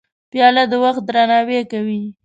پیاله د وخت درناوی کوي.